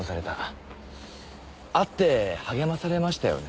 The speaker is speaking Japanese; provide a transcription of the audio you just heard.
会って励まされましたよね？